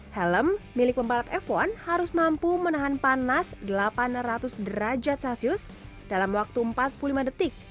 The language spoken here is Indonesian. helm milik pembalap f satu harus mampu menahan panas delapan ratus derajat celcius dalam waktu empat puluh lima detik